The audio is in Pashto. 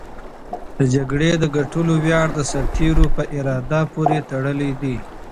د جګړې د ګټلو ویاړ د سرتېرو په اراده پورې تړلی دی.